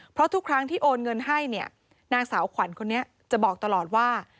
เพราะทุกครั้งที่โอนเงินให้เนี่ยนางสาวขวัญคนนี้จะบอกตลอดว่า